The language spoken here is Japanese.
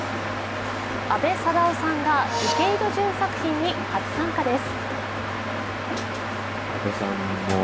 阿部サダヲさんが池井戸潤作品に初参加です。